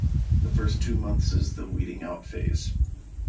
The first two months is the weeding out phase.